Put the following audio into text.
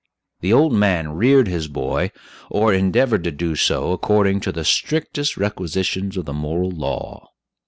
The old man reared his boy or endeavored to do so according to the strictest requisitions of the moral law.